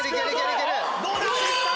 どうだ⁉いった！